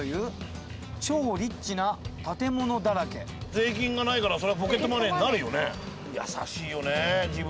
税金がないからそりゃポケットマネーになるよね。